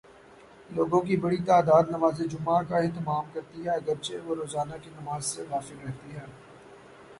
لوگوں کی بڑی تعداد نمازجمعہ کا اہتمام کرتی ہے، اگر چہ وہ روزانہ کی نماز سے غافل رہتی ہے۔